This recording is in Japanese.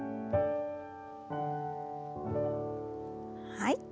はい。